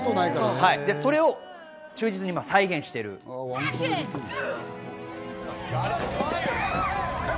それを忠実に再現しています。